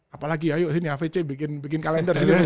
apalagi ya yuk sini avc bikin kalender